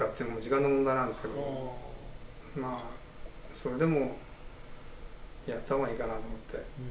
それでもやった方がいいかなと思って。